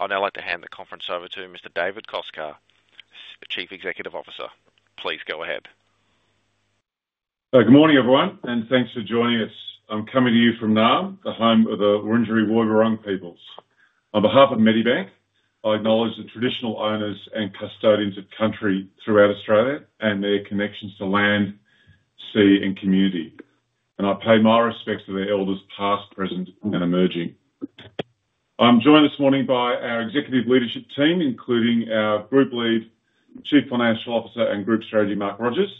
I'd now like to hand the conference over to Mr. David Koczkar, Chief Executive Officer. Please go ahead. Good morning, everyone, and thanks for joining us. I'm coming to you from Naarm, the home of the Wurundjeri Woi Wurrung peoples. On behalf of Medibank, I acknowledge the traditional owners and custodians of country throughout Australia and their connections to land, sea, and community. I pay my respects to their elders past, present, and emerging. I'm joined this morning by our executive leadership team, including our Group Lead, Chief Financial Officer, and Group Strategy, Mark Rogers.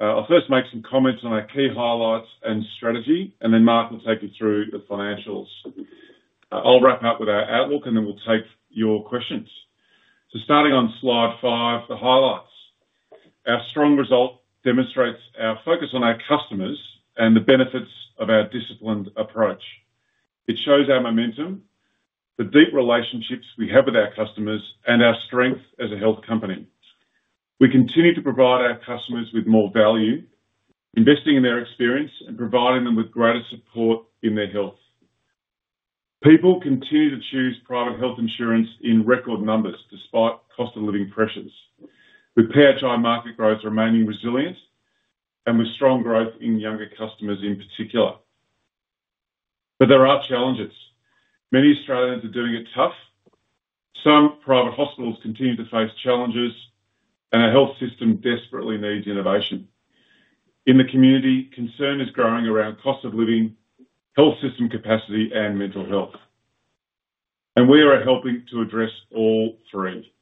I'll first make some comments on our key highlights and strategy, and then Mark will take you through the financials. I'll wrap up with our outlook, and then we'll take your questions. Starting on slide five, the highlights. Our strong result demonstrates our focus on our customers and the benefits of our disciplined approach. It shows our momentum, the deep relationships we have with our customers, and our strength as a health company. We continue to provide our customers with more value, investing in their experience and providing them with greater support in their health. People continue to choose private health insurance in record numbers despite cost-of-living pressures, with PHI market growth remaining resilient and with strong growth in younger customers in particular. But there are challenges. Many Australians are doing it tough. Some private hospitals continue to face challenges, and our health system desperately needs innovation. In the community, concern is growing around cost of living, health system capacity, and mental health, and we are helping to address all three.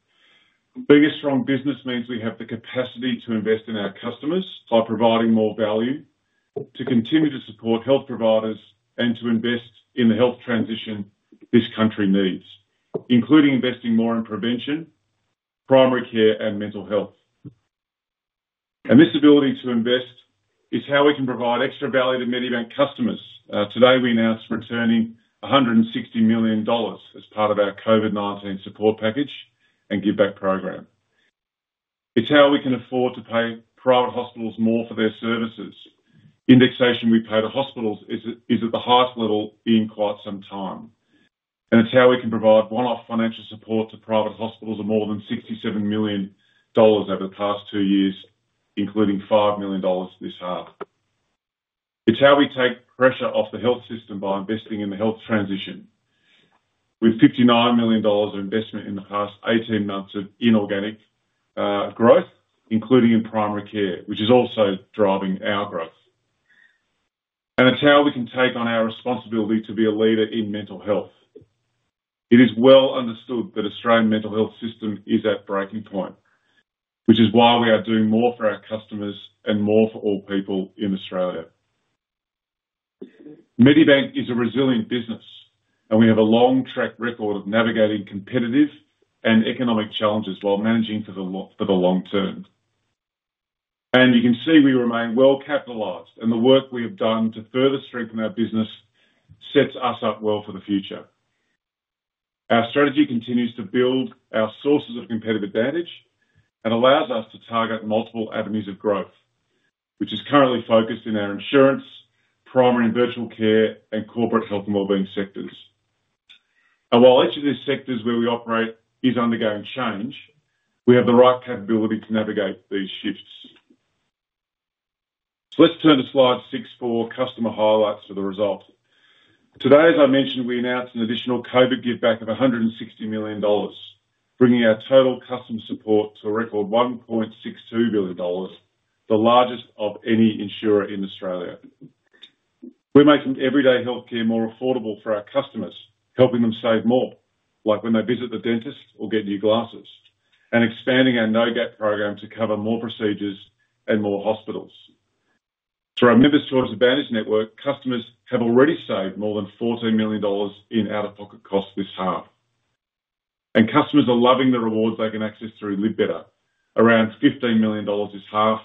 Being a strong business means we have the capacity to invest in our customers by providing more value, to continue to support health providers, and to invest in the health transition this country needs, including investing more in prevention, primary care, and mental health, and this ability to invest is how we can provide extra value to Medibank customers. Today, we announced returning 160 million dollars as part of our COVID-19 support package and give-back program. It's how we can afford to pay private hospitals more for their services. Indexation we pay to hospitals is at the highest level in quite some time, and it's how we can provide one-off financial support to private hospitals of more than 67 million dollars over the past two years, including 5 million dollars this half. It's how we take pressure off the health system by investing in the health transition, with 59 million dollars of investment in the past 18 months of inorganic growth, including in primary care, which is also driving our growth. And it's how we can take on our responsibility to be a leader in mental health. It is well understood that the Australian mental health system is at breaking point, which is why we are doing more for our customers and more for all people in Australia. Medibank is a resilient business, and we have a long-track record of navigating competitive and economic challenges while managing for the long term. And you can see we remain well capitalised, and the work we have done to further strengthen our business sets us up well for the future. Our strategy continues to build our sources of competitive advantage and allows us to target multiple avenues of growth, which is currently focused in our insurance, primary and virtual care, and corporate health and wellbeing sectors. And while each of these sectors where we operate is undergoing change, we have the right capability to navigate these shifts. So let's turn to slide six for customer highlights for the result. Today, as I mentioned, we announced an additional COVID Give-Back of 160 million dollars, bringing our total customer support to a record 1.62 billion dollars, the largest of any insurer in Australia. We're making everyday healthcare more affordable for our customers, helping them save more, like when they visit the dentist or get new glasses, and expanding our no-gap program to cover more procedures and more hospitals. Through our Members' Choice Advantage network, customers have already saved more than 14 million dollars in out-of-pocket costs this half, and customers are loving the rewards they can access through Live Better. Around 15 million dollars this half,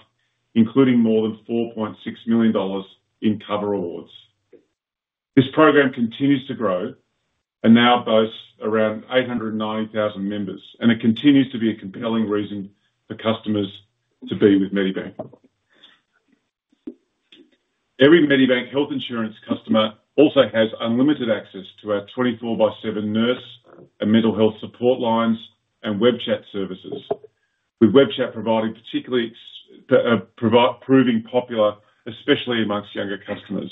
including more than 4.6 million dollars in cover rewards. This program continues to grow and now boasts around 890,000 members, and it continues to be a compelling reason for customers to be with Medibank. Every Medibank health insurance customer also has unlimited access to our 24x7 nurse and mental health support lines and web chat services, with web chat proving particularly popular, especially among younger customers.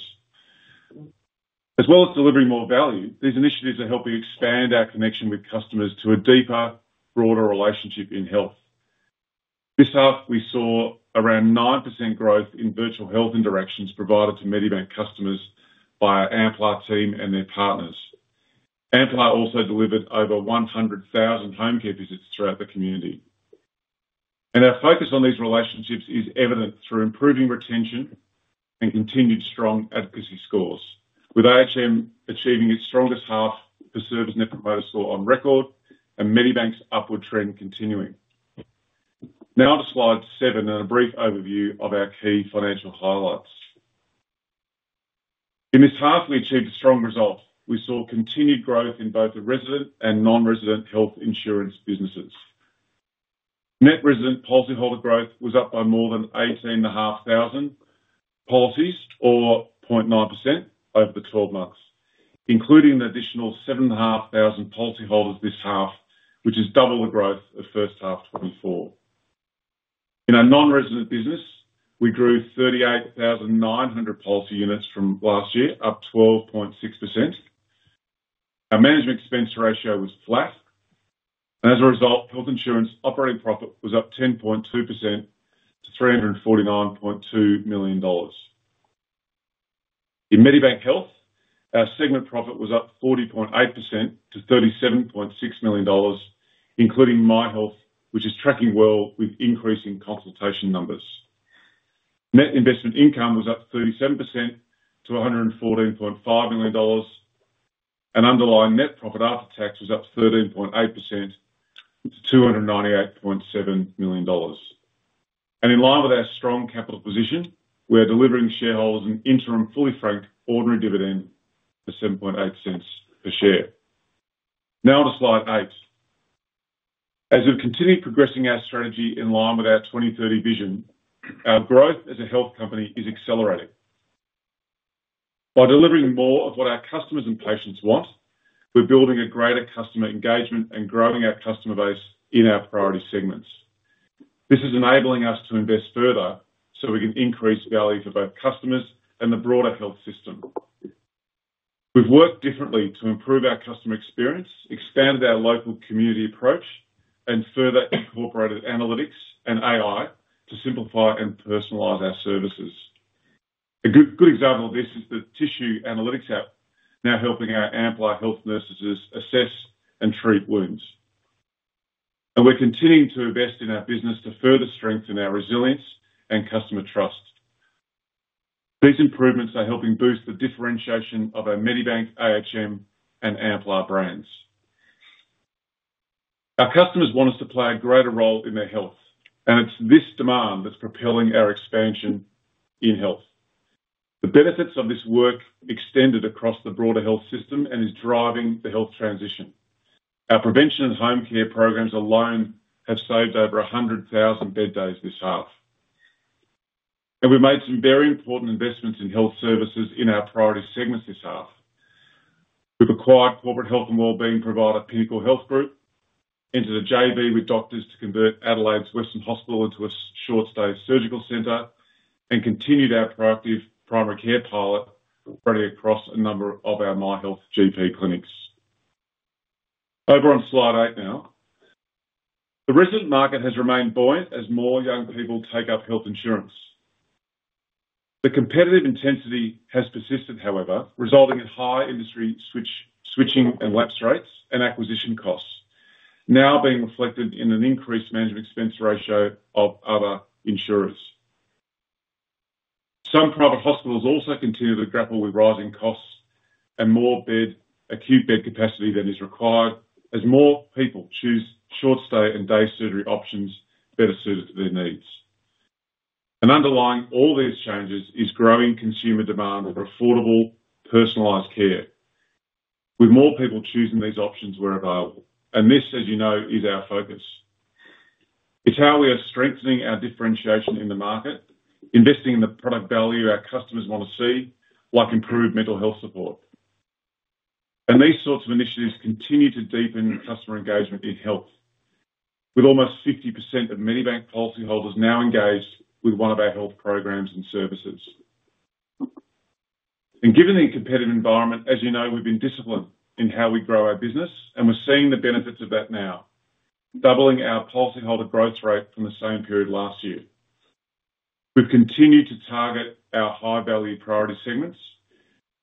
As well as delivering more value, these initiatives are helping expand our connection with customers to a deeper, broader relationship in health. This half, we saw around 9% growth in virtual health interactions provided to Medibank customers by our Amplar team and their partners. Amplar also delivered over 100,000 home care visits throughout the community. And our focus on these relationships is evident through improving retention and continued strong advocacy scores, with AHM achieving its strongest half for service net promoter score on record and Medibank's upward trend continuing. Now to slide seven and a brief overview of our key financial highlights. In this half, we achieved a strong result. We saw continued growth in both the resident and non-resident health insurance businesses. Net resident policyholder growth was up by more than 18,500 policies, or 0.9%, over the 12 months, including the additional 7,500 policyholders this half, which is double the growth of first half 2024. In our non-resident business, we grew 38,900 policy units from last year, up 12.6%. Our management expense ratio was flat. And as a result, health insurance operating profit was up 10.2% to 349.2 million dollars. In Medibank Health, our segment profit was up 40.8% to 37.6 million dollars, including Myhealth, which is tracking well with increasing consultation numbers. Net investment income was up 37% to 114.5 million dollars, and underlying net profit after tax was up 13.8% to 298.7 million dollars. And in line with our strong capital position, we are delivering shareholders an interim fully franked ordinary dividend of 0.078 per share. Now to slide eight. As we've continued progressing our strategy in line with our 2030 vision, our growth as a health company is accelerating. By delivering more of what our customers and patients want, we're building a greater customer engagement and growing our customer base in our priority segments. This is enabling us to invest further so we can increase value for both customers and the broader health system. We've worked differently to improve our customer experience, expanded our local community approach, and further incorporated analytics and AI to simplify and personalize our services. A good example of this is the Tissue Analytics app, now helping our Amplar Health nurses assess and treat wounds. And we're continuing to invest in our business to further strengthen our resilience and customer trust. These improvements are helping boost the differentiation of our Medibank, AHM, and Amplar brands. Our customers want us to play a greater role in their health, and it's this demand that's propelling our expansion in health. The benefits of this work extended across the broader health system and is driving the health transition. Our prevention and home care programs alone have saved over 100,000 bed days this half. And we've made some very important investments in health services in our priority segments this half. We've acquired corporate health and wellbeing provider Pinnacle Health Group, entered a JV with doctors to convert Adelaide's Western Hospital into a short-stay surgical center, and continued our proactive primary care pilot already across a number of our Myhealth GP clinics. Over on slide eight now. The resident market has remained buoyant as more young people take up health insurance. The competitive intensity has persisted, however, resulting in high industry switching and lapse rates and acquisition costs, now being reflected in an increased management expense ratio of other insurers. Some private hospitals also continue to grapple with rising costs and more acute bed capacity than is required as more people choose short-stay and day surgery options better suited to their needs. And underlying all these changes is growing consumer demand for affordable personalized care, with more people choosing these options where available. This, as you know, is our focus. It's how we are strengthening our differentiation in the market, investing in the product value our customers want to see, like improved mental health support. These sorts of initiatives continue to deepen customer engagement in health, with almost 50% of Medibank policyholders now engaged with one of our health programs and services. Given the competitive environment, as you know, we've been disciplined in how we grow our business, and we're seeing the benefits of that now, doubling our policyholder growth rate from the same period last year. We've continued to target our high-value priority segments,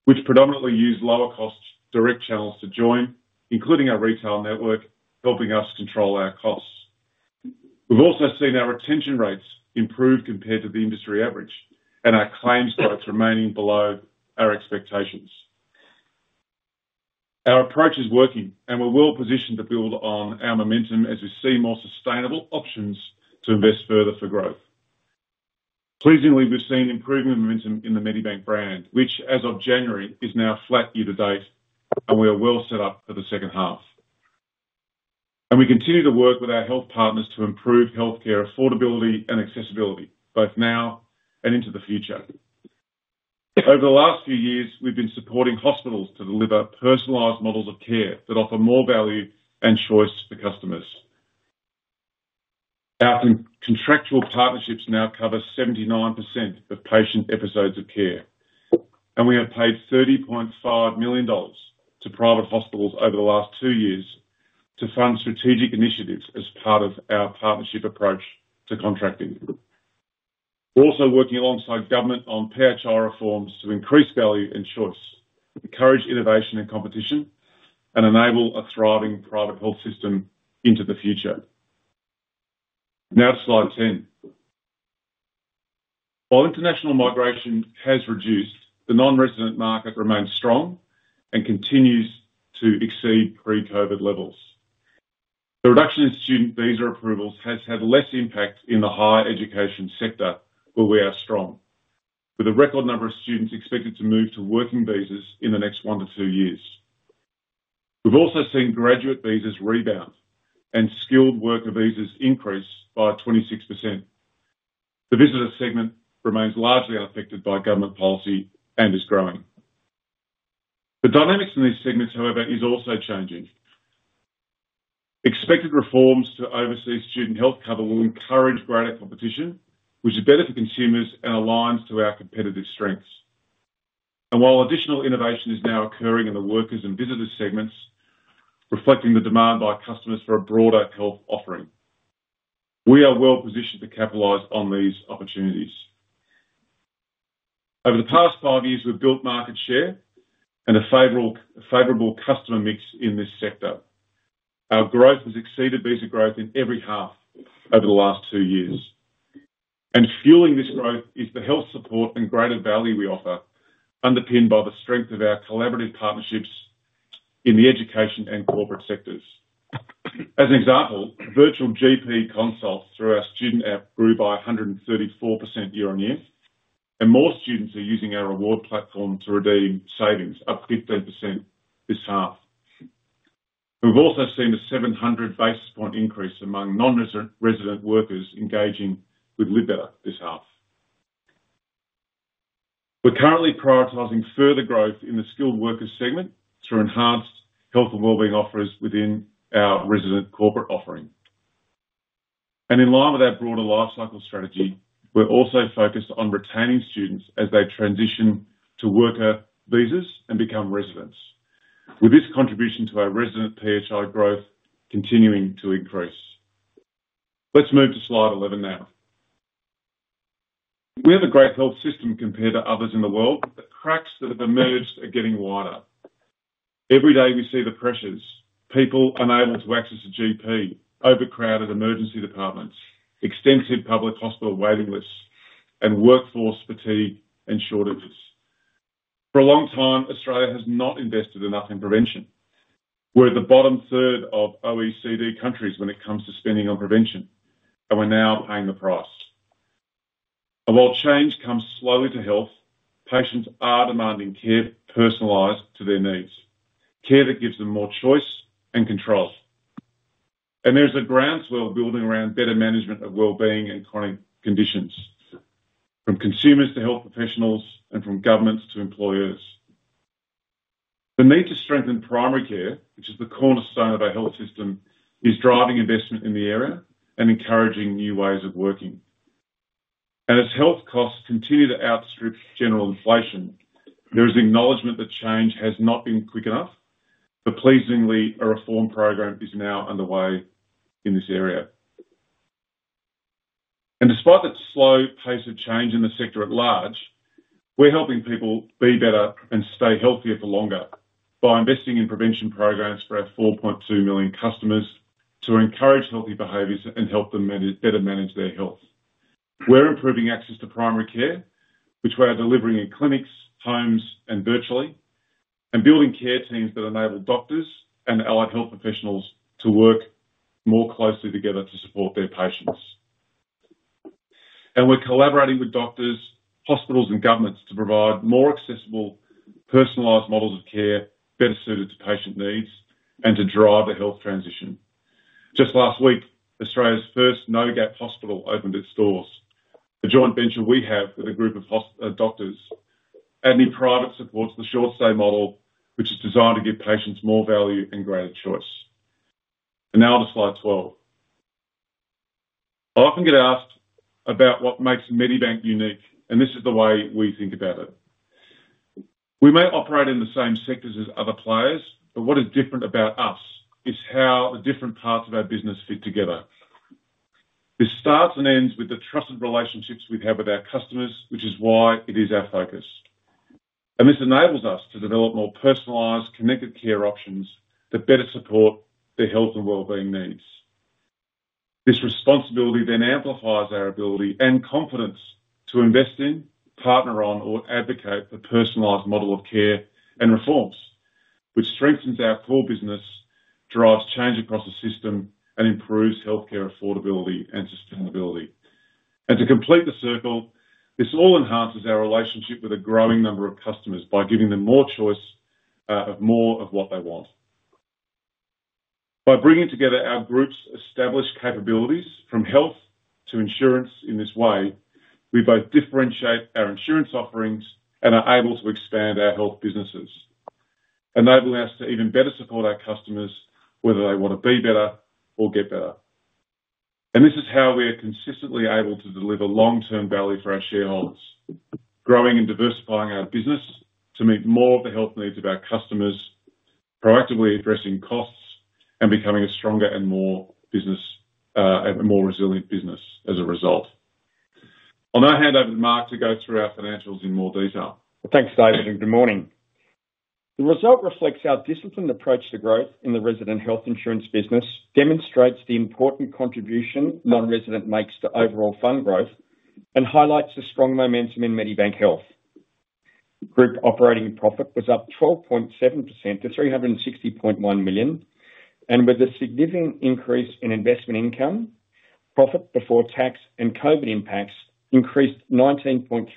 which predominantly use lower-cost direct channels to join, including our retail network, helping us control our costs. We've also seen our retention rates improve compared to the industry average, and our claims growth remaining below our expectations. Our approach is working, and we're well positioned to build on our momentum as we see more sustainable options to invest further for growth. Pleasingly, we've seen improvement in momentum in the Medibank brand, which, as of January, is now flat year to date, and we are well set up for the second half, and we continue to work with our health partners to improve healthcare affordability and accessibility, both now and into the future. Over the last few years, we've been supporting hospitals to deliver personalized models of care that offer more value and choice for customers. Our contractual partnerships now cover 79% of patient episodes of care, and we have paid 30.5 million dollars to private hospitals over the last two years to fund strategic initiatives as part of our partnership approach to contracting. We're also working alongside government on PHI reforms to increase value and choice, encourage innovation and competition, and enable a thriving private health system into the future. Now to slide 10. While international migration has reduced, the non-resident market remains strong and continues to exceed pre-COVID levels. The reduction in student visa approvals has had less impact in the higher education sector, where we are strong, with a record number of students expected to move to working visas in the next one to two years. We've also seen graduate visas rebound and skilled worker visas increase by 26%. The visitor segment remains largely unaffected by government policy and is growing. The dynamics in these segments, however, are also changing. Expected reforms to oversee student health cover will encourage greater competition, which is better for consumers and aligns to our competitive strengths. And while additional innovation is now occurring in the workers and visitors segments, reflecting the demand by customers for a broader health offering, we are well positioned to capitalize on these opportunities. Over the past five years, we've built market share and a favorable customer mix in this sector. Our growth has exceeded visa growth in every half over the last two years. And fueling this growth is the health support and greater value we offer, underpinned by the strength of our collaborative partnerships in the education and corporate sectors. As an example, virtual GP consults through our student app grew by 134% year on year, and more students are using our reward platform to redeem savings, up 15% this half. We've also seen a 700 basis points increase among non-resident workers engaging with Live Better this half. We're currently prioritizing further growth in the skilled worker segment through enhanced health and wellbeing offers within our resident corporate offering, and in line with our broader life cycle strategy, we're also focused on retaining students as they transition to worker visas and become residents, with this contribution to our resident PHI growth continuing to increase. Let's move to slide 11 now. We have a great health system compared to others in the world, but the cracks that have emerged are getting wider. Every day we see the pressures: people unable to access a GP, overcrowded emergency departments, extensive public hospital waiting lists, and workforce fatigue and shortages. For a long time, Australia has not invested enough in prevention. We're the bottom third of OECD countries when it comes to spending on prevention, and we're now paying the price. While change comes slowly to health, patients are demanding care personalized to their needs, care that gives them more choice and control. There's a groundswell building around better management of well-being and chronic conditions, from consumers to health professionals and from governments to employers. The need to strengthen primary care, which is the cornerstone of our health system, is driving investment in the area and encouraging new ways of working. As health costs continue to outstrip general inflation, there is acknowledgment that change has not been quick enough, but pleasingly, a reform program is now underway in this area. Despite the slow pace of change in the sector at large, we're helping people be better and stay healthier for longer by investing in prevention programs for our 4.2 million customers to encourage healthy behaviors and help them better manage their health. We're improving access to primary care, which we are delivering in clinics, homes, and virtually, and building care teams that enable doctors and allied health professionals to work more closely together to support their patients, and we're collaborating with doctors, hospitals, and governments to provide more accessible personalized models of care better suited to patient needs and to drive the health transition. Just last week, Australia's first No Gap hospital opened its doors, a joint venture we have with a group of doctors. Adding private supports the short-stay model, which is designed to give patients more value and greater choice, and now to slide 12. I often get asked about what makes Medibank unique, and this is the way we think about it. We may operate in the same sectors as other players, but what is different about us is how the different parts of our business fit together. This starts and ends with the trusted relationships we have with our customers, which is why it is our focus. And this enables us to develop more personalized, connected care options that better support the health and well-being needs. This responsibility then amplifies our ability and confidence to invest in, partner on, or advocate for personalized model of care and reforms, which strengthens our core business, drives change across the system, and improves healthcare affordability and sustainability. And to complete the circle, this all enhances our relationship with a growing number of customers by giving them more choice of more of what they want. By bringing together our group's established capabilities from health to insurance in this way, we both differentiate our insurance offerings and are able to expand our health businesses, enabling us to even better support our customers, whether they want to be better or get better. This is how we are consistently able to deliver long-term value for our shareholders, growing and diversifying our business to meet more of the health needs of our customers, proactively addressing costs and becoming a stronger and more resilient business as a result. I'll now hand over to Mark to go through our financials in more detail. Thanks, David, and good morning. The result reflects our disciplined approach to growth in the resident health insurance business, demonstrates the important contribution non-resident makes to overall fund growth, and highlights the strong momentum in Medibank Health. Group operating profit was up 12.7% to 360.1 million, and with a significant increase in investment income, profit before tax and COVID impacts increased 19.3%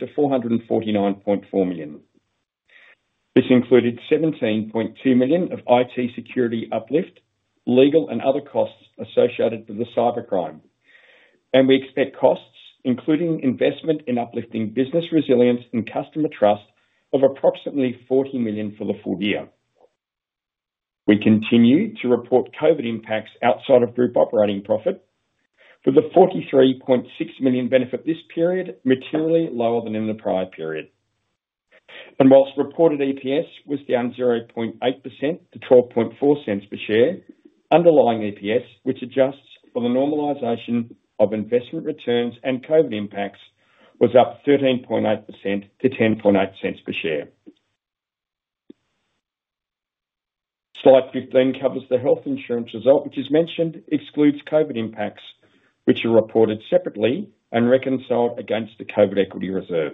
to 449.4 million. This included 17.2 million of IT security uplift, legal and other costs associated with the cybercrime. We expect costs, including investment in uplifting business resilience and customer trust, of approximately 40 million for the full year. We continue to report COVID impacts outside of group operating profit, with a 43.6 million benefit this period, materially lower than in the prior period. While reported EPS was down 0.8% to 12.4 cents per share, underlying EPS, which adjusts for the normalization of investment returns and COVID impacts, was up 13.8% to 10.8 cents per share. Slide 15 covers the health insurance result, which, as mentioned, excludes COVID impacts, which are reported separately and reconciled against the COVID equity reserve.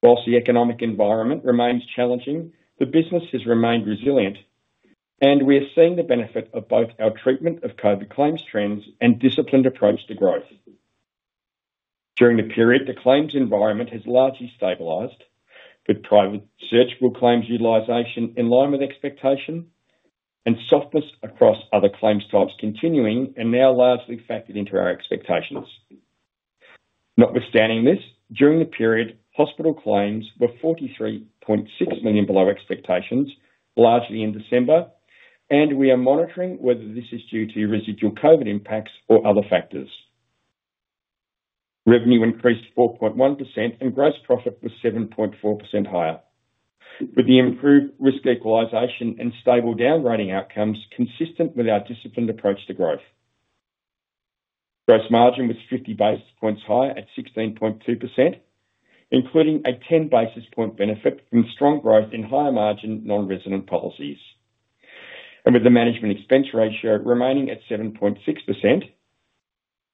While the economic environment remains challenging, the business has remained resilient, and we are seeing the benefit of both our treatment of COVID claims trends and disciplined approach to growth. During the period, the claims environment has largely stabilized, with private searchable claims utilization in line with expectation and softness across other claims types continuing and now largely factored into our expectations. Notwithstanding this, during the period, hospital claims were 43.6 million below expectations, largely in December, and we are monitoring whether this is due to residual COVID impacts or other factors. Revenue increased 4.1%, and gross profit was 7.4% higher, with the improved risk equalisation and stable downgrading outcomes consistent with our disciplined approach to growth. Gross margin was 50 basis points higher at 16.2%, including a 10 basis point benefit from strong growth in higher margin non-resident policies. And with the management expense ratio remaining at 7.6%,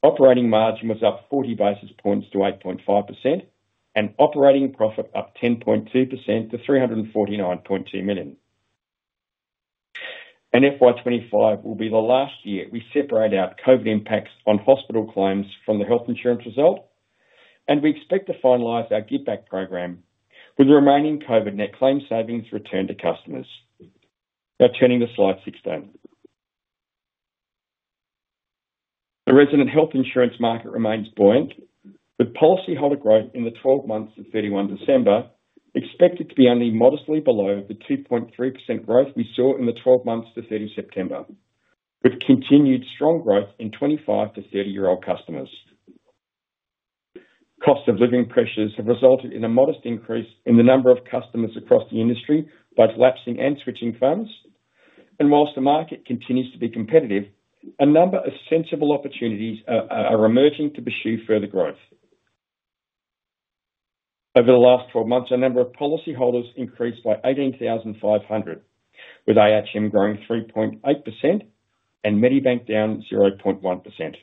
operating margin was up 40 basis points to 8.5%, and operating profit up 10.2% to AUD 349.2 million. FY25 will be the last year we separate out COVID impacts on hospital claims from the health insurance result, and we expect to finalize our Give-Back program with the remaining COVID net claim savings returned to customers. Now turning to slide 16. The resident health insurance market remains buoyant, with policyholder growth in the 12 months to 31 December expected to be only modestly below the 2.3% growth we saw in the 12 months to 30 September, with continued strong growth in 25- to 30-year-old customers. Cost of living pressures have resulted in a modest increase in the number of customers across the industry by lapsing and switching firms. And while the market continues to be competitive, a number of sensible opportunities are emerging to pursue further growth. Over the last 12 months, a number of policyholders increased by 18,500, with AHM growing 3.8% and Medibank down 0.1%.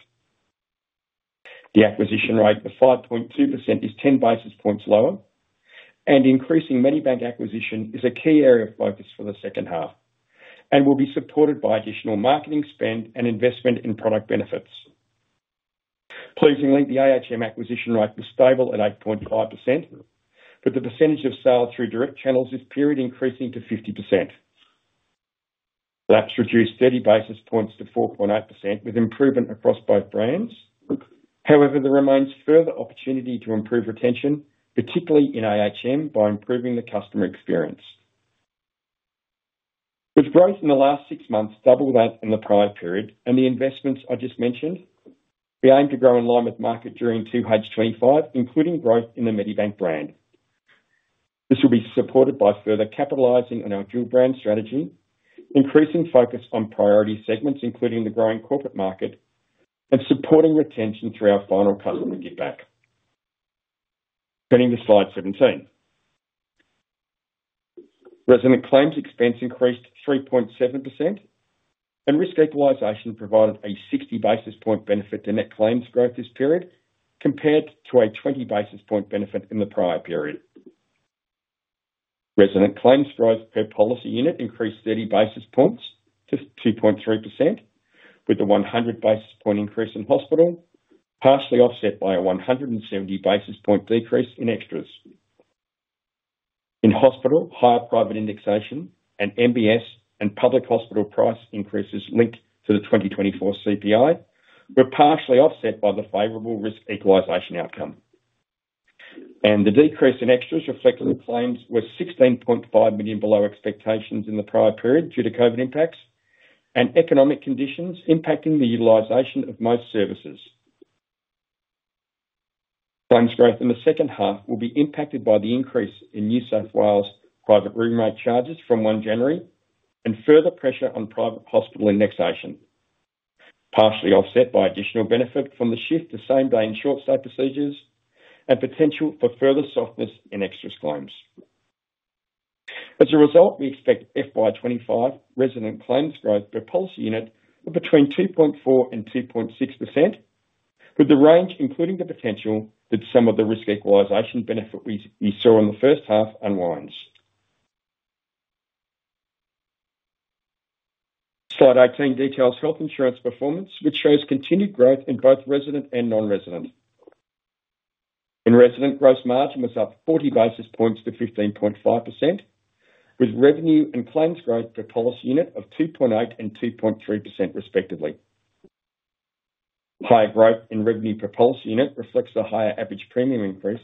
The acquisition rate of 5.2% is 10 basis points lower, and increasing Medibank acquisition is a key area of focus for the second half and will be supported by additional marketing spend and investment in product benefits. Pleasingly, the AHM acquisition rate was stable at 8.5%, but the percentage of sales through direct channels this period increasing to 50%. That's reduced 30 basis points to 4.8%, with improvement across both brands. However, there remains further opportunity to improve retention, particularly in AHM, by improving the customer experience. With growth in the last six months doubled out in the prior period and the investments I just mentioned, we aim to grow in line with market during 2H25, including growth in the Medibank brand. This will be supported by further capitalizing on our dual brand strategy, increasing focus on priority segments, including the growing corporate market, and supporting retention through our final customer Give-Back. Turning to slide 17. Resident claims expense increased 3.7%, and risk equalization provided a 60 basis point benefit to net claims growth this period compared to a 20 basis point benefit in the prior period. Resident claims growth per policy unit increased 30 basis points to 2.3%, with a 100 basis point increase in hospital, partially offset by a 170 basis point decrease in extras. In hospital, higher private indexation and MBS and public hospital price increases linked to the 2024 CPI were partially offset by the favorable risk equalization outcome. The decrease in extras reflected in claims was 16.5 million below expectations in the prior period due to COVID impacts and economic conditions impacting the utilization of most services. Claims growth in the second half will be impacted by the increase in New South Wales private room rate charges from 1 January and further pressure on private hospital indexation, partially offset by additional benefit from the shift to same-day and short-stay procedures and potential for further softness in extras claims. As a result, we expect FY25 resident claims growth per policy unit of between 2.4% and 2.6%, with the range including the potential that some of the risk equalisation benefit we saw in the first half unwinds. Slide 18 details health insurance performance, which shows continued growth in both resident and non-resident. In resident, gross margin was up 40 basis points to 15.5%, with revenue and claims growth per policy unit of 2.8% and 2.3% respectively. Higher growth in revenue per policy unit reflects the higher average premium increase,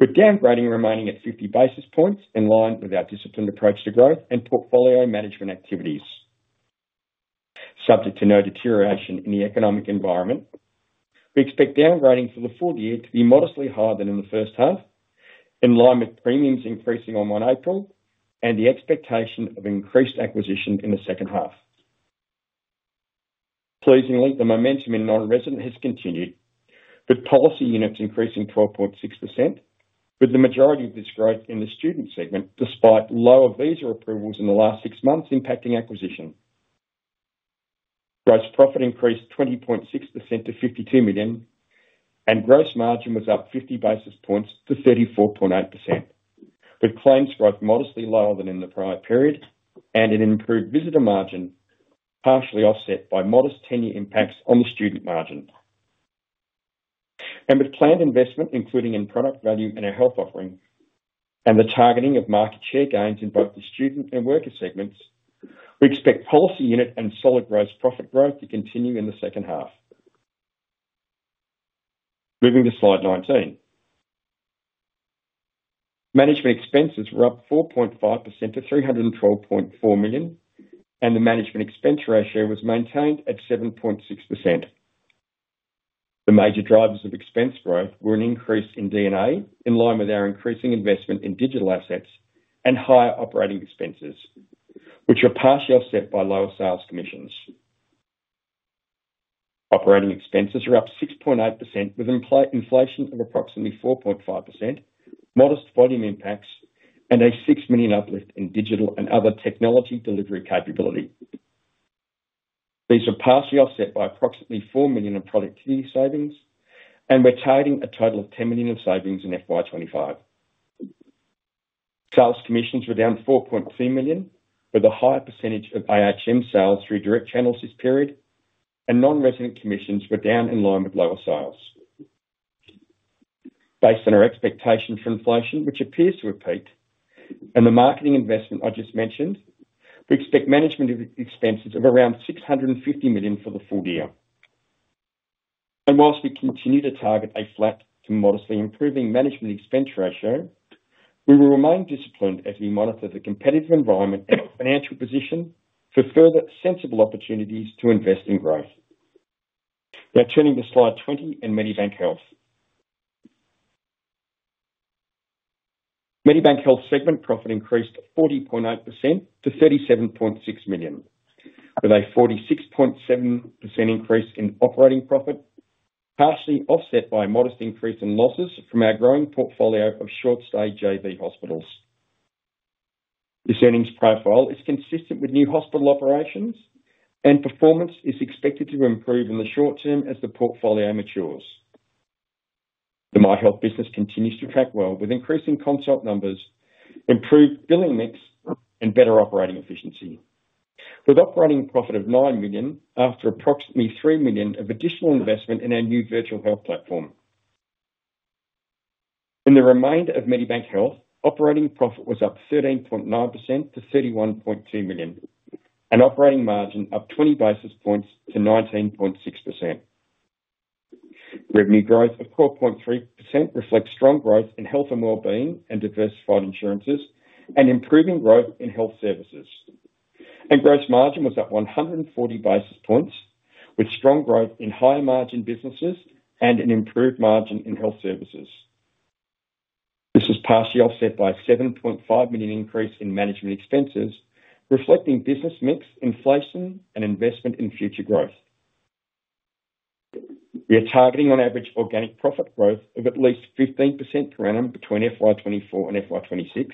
with downgrading remaining at 50 basis points in line with our disciplined approach to growth and portfolio management activities. Subject to no deterioration in the economic environment, we expect downgrading for the full year to be modestly higher than in the first half, in line with premiums increasing on 1 April and the expectation of increased acquisition in the second half. Pleasingly, the momentum in non-resident has continued, with policy units increasing 12.6%, with the majority of this growth in the student segment despite lower visa approvals in the last six months impacting acquisition. Gross profit increased 20.6% to 52 million, and gross margin was up 50 basis points to 34.8%, with claims growth modestly lower than in the prior period and an improved visitor margin partially offset by modest tenure impacts on the student margin. And with planned investment, including in product value and a health offering, and the targeting of market share gains in both the student and worker segments, we expect policy unit and solid gross profit growth to continue in the second half. Moving to slide 19. Management expenses were up 4.5% to 312.4 million, and the management expense ratio was maintained at 7.6%. The major drivers of expense growth were an increase in DNA in line with our increasing investment in digital assets and higher operating expenses, which were partially offset by lower sales commissions. Operating expenses were up 6.8% with inflation of approximately 4.5%, modest volume impacts, and an 6 million uplift in digital and other technology delivery capability. These were partially offset by approximately 4 million in productivity savings, and we're targeting a total of 10 million in savings in FY25. Sales commissions were down 4.2 million, with a higher percentage of AHM sales through direct channels this period, and non-resident commissions were down in line with lower sales. Based on our expectation for inflation, which appears to have peaked, and the marketing investment I just mentioned, we expect management expenses of around 650 million for the full year, and whilst we continue to target a flat to modestly improving management expense ratio, we will remain disciplined as we monitor the competitive environment and financial position for further sensible opportunities to invest in growth. Now turning to slide 20 and Medibank Health. Medibank Health segment profit increased 40.8% to 37.6 million, with a 46.7% increase in operating profit, partially offset by a modest increase in losses from our growing portfolio of short-stay JV hospitals. This earnings profile is consistent with new hospital operations, and performance is expected to improve in the short term as the portfolio matures. The Myhealth business continues to track well with increasing consult numbers, improved billing mix, and better operating efficiency, with operating profit of nine million after approximately three million of additional investment in our new virtual health platform. In the remainder of Medibank Health, operating profit was up 13.9% to 31.2 million, and operating margin up 20 basis points to 19.6%. Revenue growth of 4.3% reflects strong growth in health and wellbeing and diversified insurances, and improving growth in health services. Gross margin was up 140 basis points, with strong growth in higher margin businesses and an improved margin in health services. This was partially offset by a 7.5 million increase in management expenses, reflecting business mix, inflation, and investment in future growth. We are targeting on average organic profit growth of at least 15% per annum between FY24 and FY26,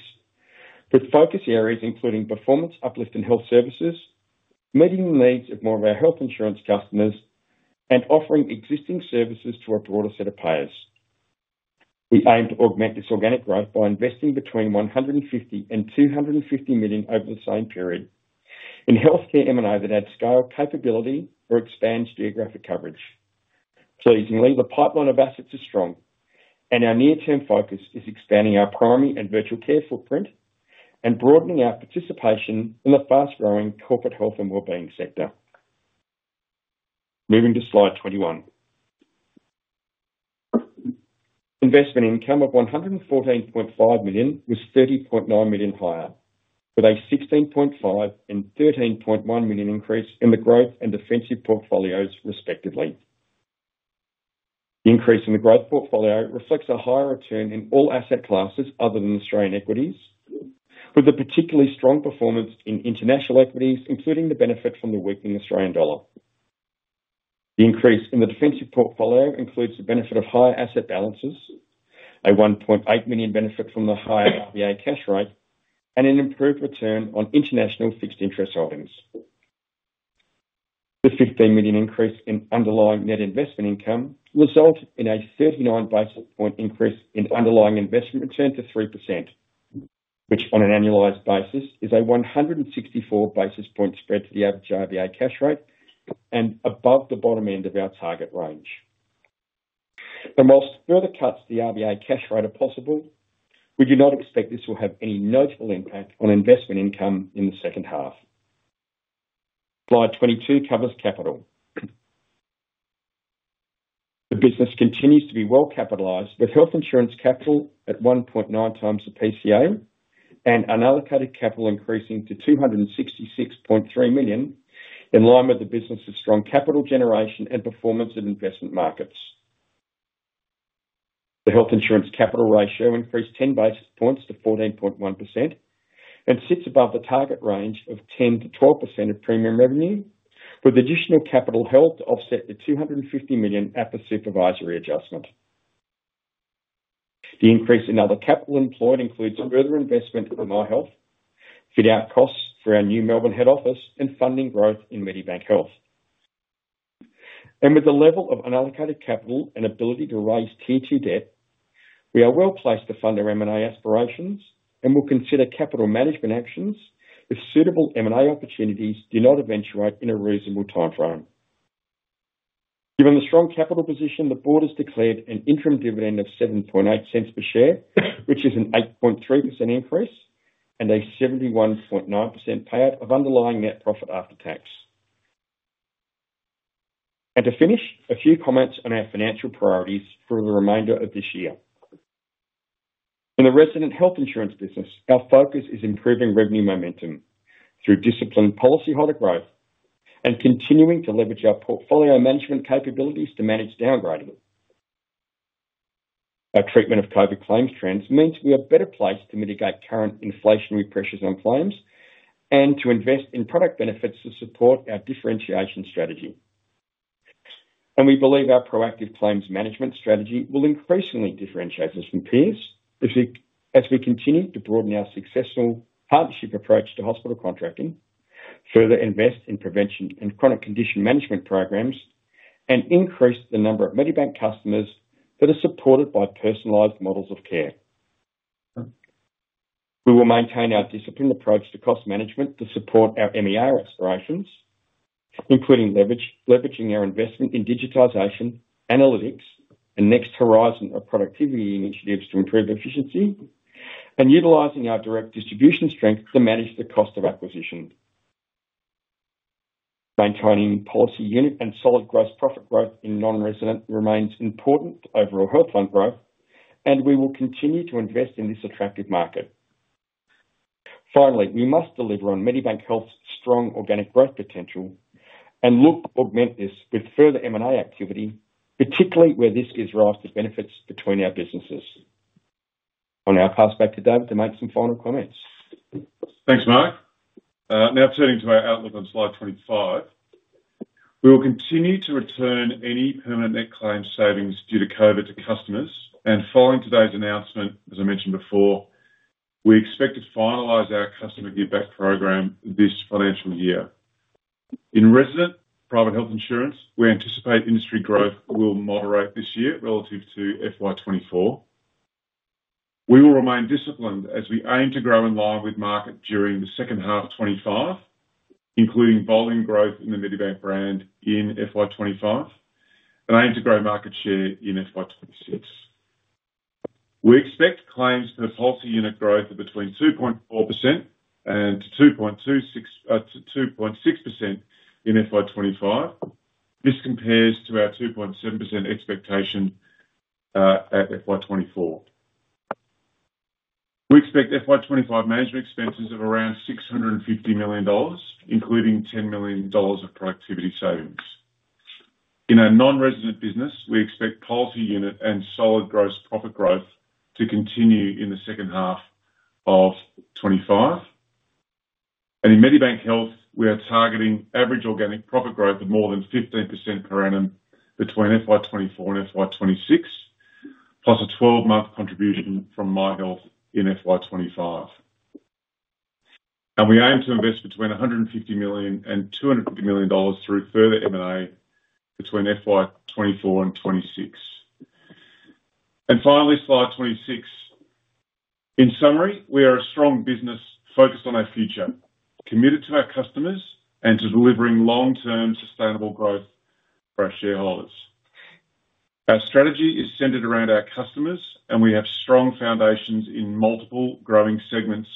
with focus areas including performance uplift in health services, meeting the needs of more of our health insurance customers, and offering existing services to a broader set of payers. We aim to augment this organic growth by investing between 150 million and 250 million over the same period in healthcare M&A that adds scale, capability, or expands geographic coverage. Pleasingly, the pipeline of assets is strong, and our near-term focus is expanding our primary and virtual care footprint and broadening our participation in the fast-growing corporate health and wellbeing sector. Moving to slide 21. Investment income of 114.5 million was 30.9 million higher, with a 16.5 and 13.1 million increase in the growth and defensive portfolios respectively. The increase in the growth portfolio reflects a higher return in all asset classes other than Australian equities, with a particularly strong performance in international equities, including the benefit from the weakening Australian dollar. The increase in the defensive portfolio includes the benefit of higher asset balances, a 1.8 million benefit from the higher RBA cash rate, and an improved return on international fixed interest holdings. The 15 million increase in underlying net investment income resulted in a 39 basis point increase in underlying investment return to 3%, which on an annualized basis is a 164 basis point spread to the average RBA cash rate and above the bottom end of our target range. While further cuts to the RBA cash rate are possible, we do not expect this will have any notable impact on investment income in the second half. Slide 22 covers capital. The business continues to be well capitalized, with health insurance capital at 1.9 times the PCA and unallocated capital increasing to 266.3 million in line with the business's strong capital generation and performance of investment markets. The health insurance capital ratio increased 10 basis points to 14.1% and sits above the target range of 10%-12% of premium revenue, with additional capital held to offset the 250 million at the supervisory adjustment. The increase in other capital employed includes further investment in Myhealth, fit-out costs for our new Melbourne head office, and funding growth in Medibank Health. With the level of unallocated capital and ability to raise T2 debt, we are well placed to fund our M&A aspirations and will consider capital management actions if suitable M&A opportunities do not eventuate in a reasonable timeframe. Given the strong capital position, the board has declared an interim dividend of 0.078 per share, which is an 8.3% increase and a 71.9% payout of underlying net profit after tax. To finish, a few comments on our financial priorities for the remainder of this year. In the resident health insurance business, our focus is improving revenue momentum through disciplined policy holder growth and continuing to leverage our portfolio management capabilities to manage downgrading. Our treatment of COVID claims trends means we are better placed to mitigate current inflationary pressures on claims and to invest in product benefits to support our differentiation strategy. And we believe our proactive claims management strategy will increasingly differentiate us from peers as we continue to broaden our successful partnership approach to hospital contracting, further invest in prevention and chronic condition management programs, and increase the number of Medibank customers that are supported by personalized models of care. We will maintain our disciplined approach to cost management to support our MER aspirations, including leveraging our investment in digitization, analytics, and next horizon of productivity initiatives to improve efficiency, and utilizing our direct distribution strength to manage the cost of acquisition. Maintaining policy unit and solid gross profit growth in non-resident remains important to overall health fund growth, and we will continue to invest in this attractive market. Finally, we must deliver on Medibank Health's strong organic growth potential and look to augment this with further M&A activity, particularly where this gives rise to benefits between our businesses. Now, passing back to David to make some final comments. Thanks, Mark. Now turning to our outlook on slide 25, we will continue to return any permanent net claims savings due to COVID to customers. Following today's announcement, as I mentioned before, we expect to finalize our customer Give-Back program this financial year. In resident private health insurance, we anticipate industry growth will moderate this year relative to FY24. We will remain disciplined as we aim to grow in line with market during the second half of 2025, including volume growth in the Medibank brand in FY25 and aim to grow market share in FY26. We expect claims per policy unit growth of between 2.4% and 2.6% in FY25. This compares to our 2.7% expectation at FY24. We expect FY25 management expenses of around 650 million dollars, including 10 million dollars of productivity savings. In a non-resident business, we expect policy unit and solid gross profit growth to continue in the second half of 2025. In Medibank Health, we are targeting average organic profit growth of more than 15% per annum between FY24 and FY26, plus a 12-month contribution from Myhealth in FY25. We aim to invest between 150 million and 250 million dollars through further M&A between FY24 and 2026. Finally, slide 26. In summary, we are a strong business focused on our future, committed to our customers, and to delivering long-term sustainable growth for our shareholders. Our strategy is centered around our customers, and we have strong foundations in multiple growing segments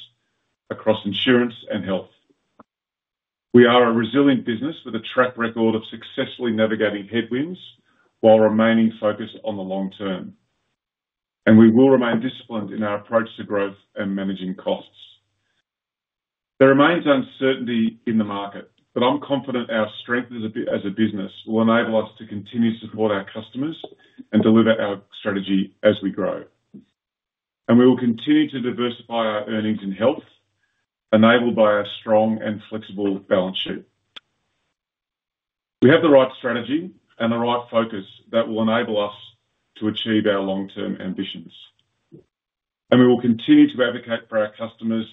across insurance and health. We are a resilient business with a track record of successfully navigating headwinds while remaining focused on the long term. We will remain disciplined in our approach to growth and managing costs. There remains uncertainty in the market, but I'm confident our strength as a business will enable us to continue to support our customers and deliver our strategy as we grow, and we will continue to diversify our earnings in health, enabled by our strong and flexible balance sheet. We have the right strategy and the right focus that will enable us to achieve our long-term ambitions, and we will continue to advocate for our customers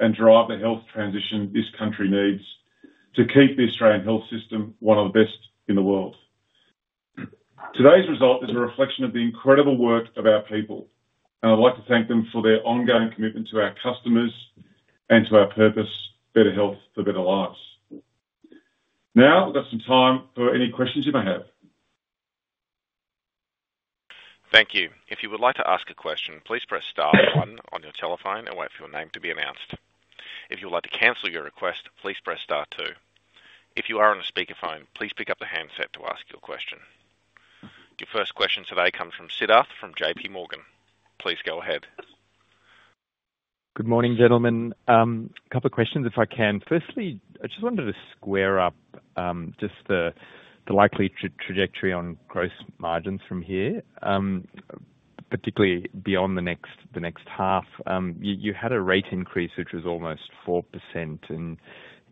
and drive the health transition this country needs to keep the Australian health system one of the best in the world. Today's result is a reflection of the incredible work of our people, and I'd like to thank them for their ongoing commitment to our customers and to our purpose: better health for better lives. Now we've got some time for any questions you may have. Thank you. If you would like to ask a question, please press Star one on your telephone and wait for your name to be announced. If you would like to cancel your request, please press Star two. If you are on a speakerphone, please pick up the handset to ask your question. Your first question today comes from Siddharth from JP Morgan. Please go ahead. Good morning, gentlemen. A couple of questions, if I can. Firstly, I just wanted to square up just the likely trajectory on gross margins from here, particularly beyond the next half. You had a rate increase which was almost 4%, and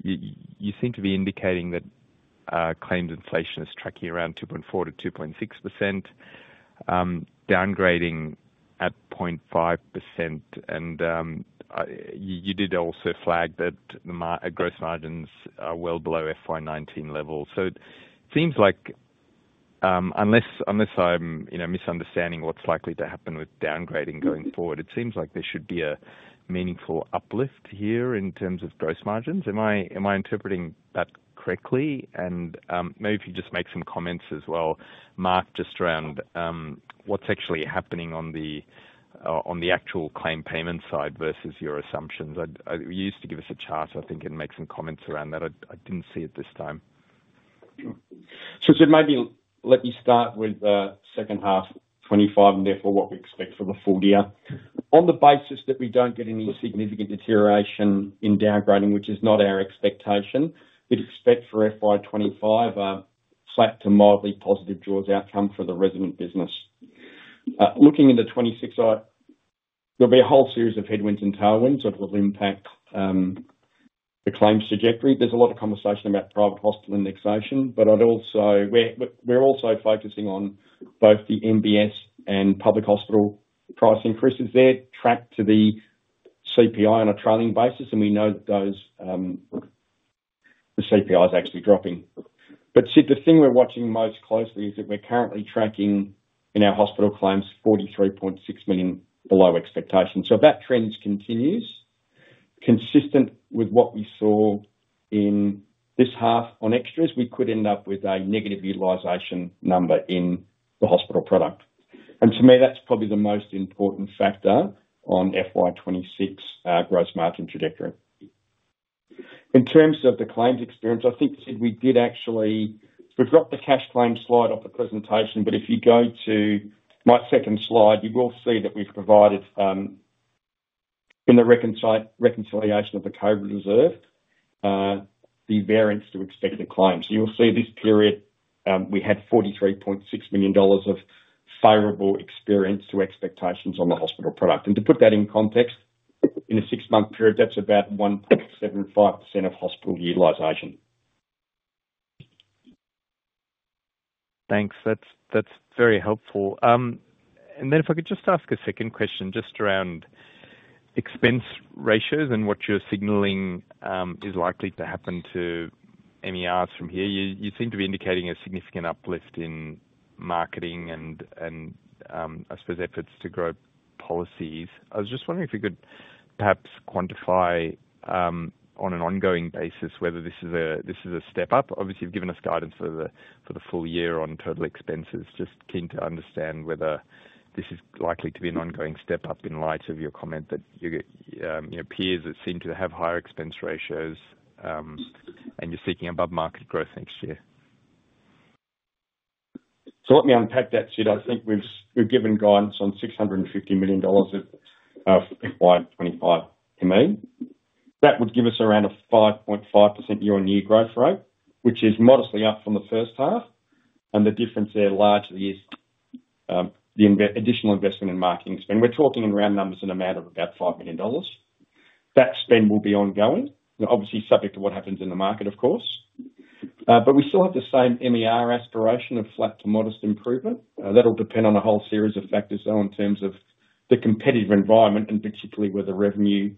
you seem to be indicating that claims inflation is tracking around 2.4%-2.6%, downgrading at 0.5%, and you did also flag that gross margins are well below FY19 levels. So it seems like, unless I'm misunderstanding what's likely to happen with downgrading going forward, it seems like there should be a meaningful uplift here in terms of gross margins. Am I interpreting that correctly? And maybe if you just make some comments as well, Mark, just around what's actually happening on the actual claim payment side versus your assumptions. You used to give us a chart, I think, and make some comments around that. I didn't see it this time. So it may be let me start with the second half, '25, and therefore what we expect for the full year. On the basis that we don't get any significant deterioration in downgrading, which is not our expectation, we'd expect for FY25 a flat to mildly positive draws outcome for the resident business. Looking into 2026, there'll be a whole series of headwinds and tailwinds that will impact the claims trajectory. There's a lot of conversation about private hospital indexation, but we're also focusing on both the MBS and public hospital price increases. They're tracked to the CPI on a trailing basis, and we know that the CPI is actually dropping. But Sid, the thing we're watching most closely is that we're currently tracking in our hospital claims 43.6 million below expectation. So if that trend continues, consistent with what we saw in this half on extras, we could end up with a negative utilization number in the hospital product. And to me, that's probably the most important factor on FY 2026 gross margin trajectory. In terms of the claims experience, I think, Sid, we did actually we've dropped the cash claim slide off the presentation, but if you go to my second slide, you will see that we've provided in the reconciliation of the COVID reserve, the variance to expected claims. You will see this period we had 43.6 million dollars of favorable experience to expectations on the hospital product. And to put that in context, in a six-month period, that's about 1.75% of hospital utilization. Thanks. That's very helpful. And then if I could just ask a second question just around expense ratios and what you're signaling is likely to happen to MERs from here. You seem to be indicating a significant uplift in marketing and, I suppose, efforts to grow policies. I was just wondering if you could perhaps quantify on an ongoing basis whether this is a step up. Obviously, you've given us guidance for the full year on total expenses. Just keen to understand whether this is likely to be an ongoing step up in light of your comment that your peers that seem to have higher expense ratios and you're seeking above-market growth next year. So let me unpack that, Sid. I think we've given guidance on 650 million dollars of FY25 ME. That would give us around a 5.5% year-on-year growth rate, which is modestly up from the first half. And the difference there largely is the additional investment in marketing spend. We're talking in round numbers in the amount of about 5 million dollars. That spend will be ongoing, obviously subject to what happens in the market, of course. But we still have the same MER aspiration of flat to modest improvement. That'll depend on a whole series of factors, though, in terms of the competitive environment and particularly where the revenue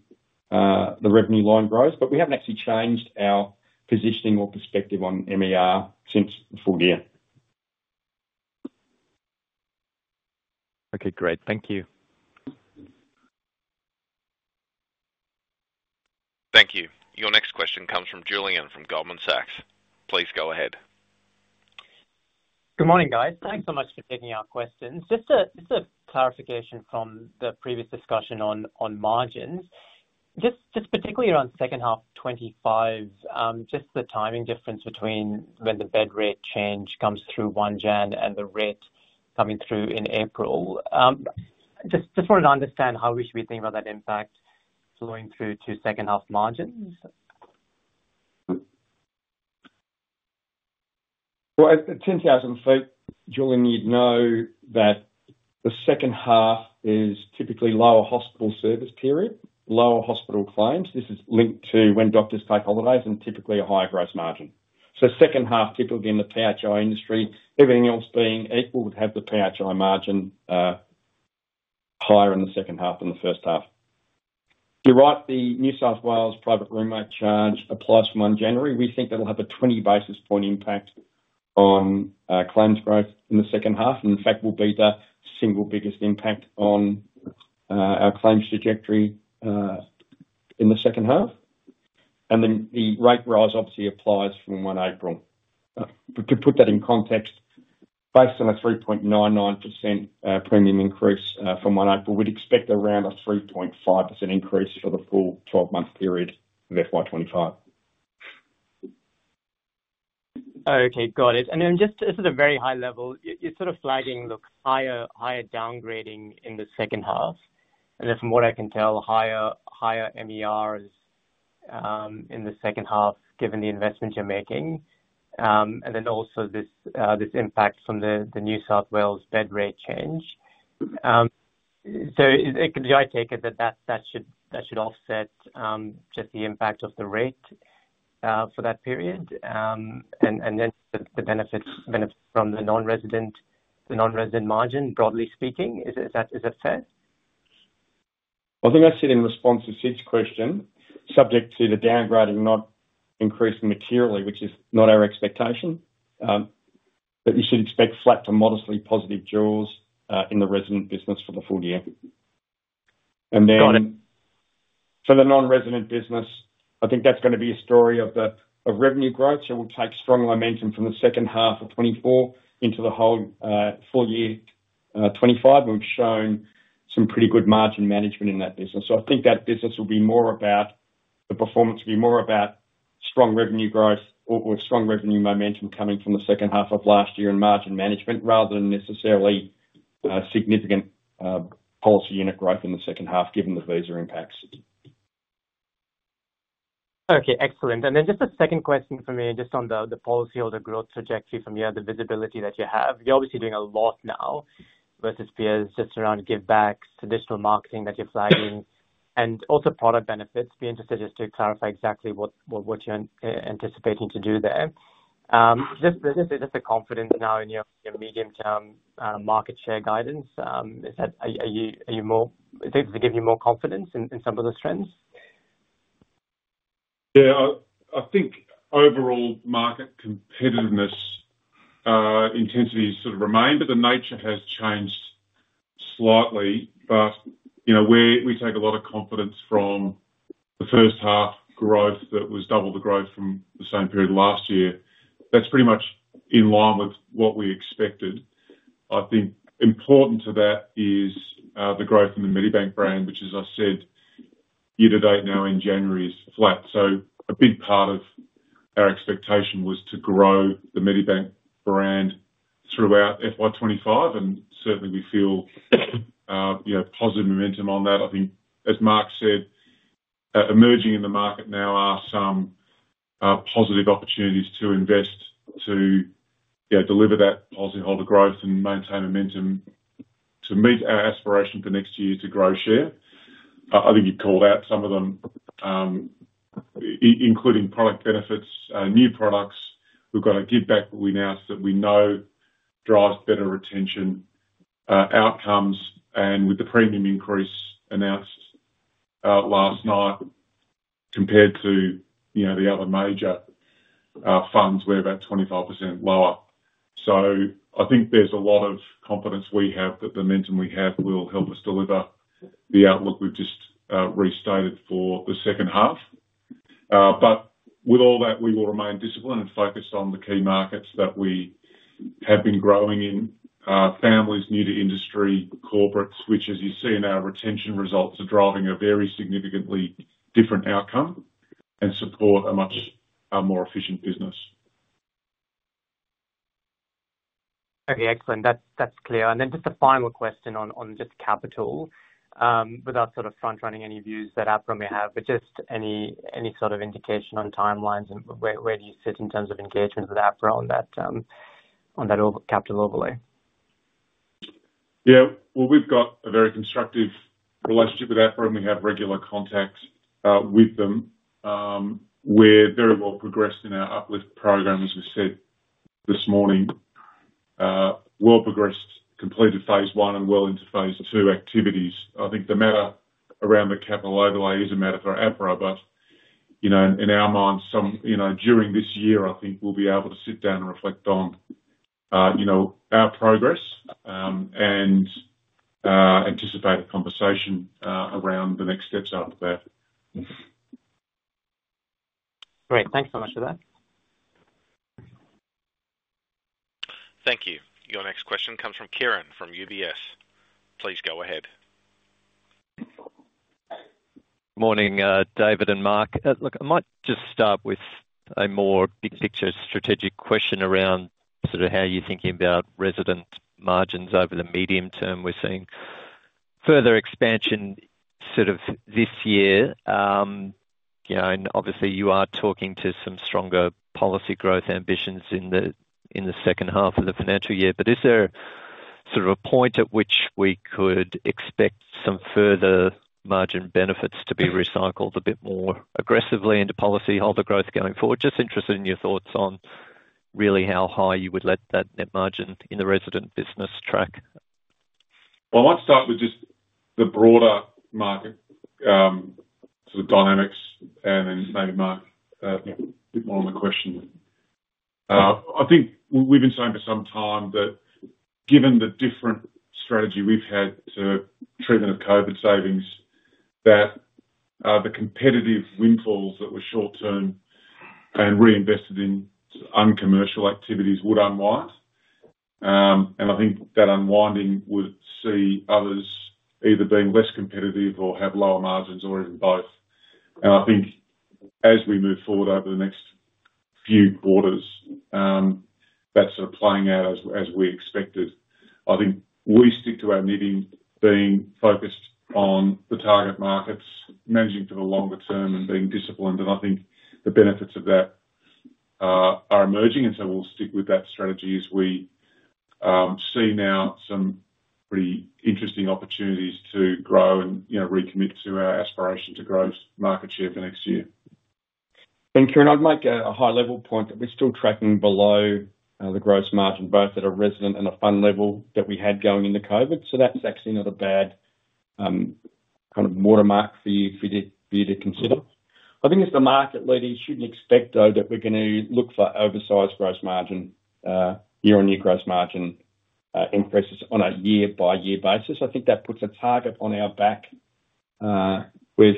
line grows. But we haven't actually changed our positioning or perspective on MER since the full year. Okay, great. Thank you. Thank you. Your next question comes from Julian from Goldman Sachs. Please go ahead. Good morning, guys. Thanks so much for taking our questions. Just a clarification from the previous discussion on margins. Just particularly around second half 2025, just the timing difference between when the bed rate change comes through January 1 and the rate coming through in April. Just wanted to understand how we should be thinking about that impact flowing through to second half margins. Well, at 10,000 feet, Julian, you'd know that the second half is typically lower hospital service period, lower hospital claims. This is linked to when doctors take holidays and typically a higher gross margin. Second half, typically in the PHI industry, everything else being equal, would have the PHI margin higher in the second half than the first half. You're right, the New South Wales private room rate charge applies from 1 January. We think that'll have a 20 basis point impact on claims growth in the second half. In fact, it will be the single biggest impact on our claims trajectory in the second half. Then the rate rise obviously applies from 1 April. To put that in context, based on a 3.99% premium increase from 1 April, we'd expect around a 3.5% increase for the full 12-month period of FY25. Okay, got it. Then just this is a very high level. You're sort of flagging higher downgrading in the second half. And then from what I can tell, higher MERs in the second half given the investment you're making. And then also this impact from the New South Wales bed rate change. So it could be. I take it that that should offset just the impact of the rate for that period. And then the benefits from the non-resident margin, broadly speaking, is that fair? Well, I think that's in response to Sid's question, subject to the downgrading not increasing materially, which is not our expectation. But you should expect flat to modestly positive draws in the resident business for the full year. And then for the non-resident business, I think that's going to be a story of revenue growth. So we'll take strong momentum from the second half of 2024 into the whole full year 2025. We've shown some pretty good margin management in that business. So I think that business will be more about strong revenue growth or strong revenue momentum coming from the second half of last year in margin management rather than necessarily significant policy unit growth in the second half given the visa impacts. Okay, excellent. And then just a second question for me, just on the policy or the growth trajectory from here, the visibility that you have. You're obviously doing a lot now versus peers just around Give-Backs, additional marketing that you're flagging, and also product benefits. Be interested just to clarify exactly what you're anticipating to do there. Just the confidence now in your medium-term market share guidance. Does it give you more confidence in some of those trends? Yeah, I think overall market competitive intensity has sort of remained, but the nature has changed slightly. But we take a lot of confidence from the first half growth that was double the growth from the same period last year. That's pretty much in line with what we expected. I think important to that is the growth in the Medibank brand, which, as I said, year to date now in January is flat. So a big part of our expectation was to grow the Medibank brand throughout FY25. And certainly, we feel positive momentum on that. I think, as Mark said, emerging in the market now are some positive opportunities to invest to deliver that policy holder growth and maintain momentum to meet our aspiration for next year to grow share. I think you'd call out some of them, including product benefits, new products. We've got a give-back that we know drives better retention outcomes. And with the premium increase announced last night compared to the other major funds, we're about 25% lower. So I think there's a lot of confidence we have that the momentum we have will help us deliver the outlook we've just restated for the second half. But with all that, we will remain disciplined and focused on the key markets that we have been growing in: families, new to industry, corporates, which, as you see in our retention results, are driving a very significantly different outcome and support a much more efficient business. Okay, excellent. That's clear. And then just a final question on just capital. Without sort of front-running any views that APRA may have, but just any sort of indication on timelines and where do you sit in terms of engagement with APRA on that capital overlay? Yeah, well, we've got a very constructive relationship with APRA, and we have regular contacts with them. We're very well progressed in our Uplift program, as we said this morning. Well progressed, completed phase one and well into phase two activities. I think the matter around the capital overlay is a matter for APRA, but in our minds, during this year, I think we'll be able to sit down and reflect on our progress and anticipate a conversation around the next steps after that. Great. Thanks so much for that. Thank you. Your next question comes from Kieren from UBS. Please go ahead. Morning, David and Mark. Look, I might just start with a more big-picture strategic question around sort of how you're thinking about resident margins over the medium term we're seeing. Further expansion sort of this year. And obviously, you are talking to some stronger policy growth ambitions in the second half of the financial year. But is there sort of a point at which we could expect some further margin benefits to be recycled a bit more aggressively into policy holder growth going forward? Just interested in your thoughts on really how high you would let that net margin in the resident business track? Well, I might start with just the broader market sort of dynamics, and then maybe Mark a bit more on the question. I think we've been saying for some time that given the different strategy we've had to treatment of COVID savings, that the competitive windfalls that were short-term and reinvested in uncommercial activities would unwind. And I think that unwinding would see others either being less competitive or have lower margins or even both. I think as we move forward over the next few quarters, that's sort of playing out as we expected. I think we stick to our nitty-gritty, being focused on the target markets, managing for the longer term, and being disciplined. I think the benefits of that are emerging. So we'll stick with that strategy as we see now some pretty interesting opportunities to grow and recommit to our aspiration to grow market share for next year. Kieren, I'd make a high-level point that we're still tracking below the gross margin, both at a resident and a fund level that we had going into COVID. So that's actually not a bad kind of watermark for you to consider. I think as the market leader, you shouldn't expect, though, that we're going to look for oversized gross margin, year-on-year gross margin increases on a year-by-year basis. I think that puts a target on our back with